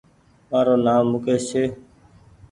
مآرو نآم مڪيش ڇي